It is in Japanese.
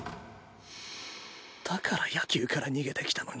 だから野球から逃げてきたのに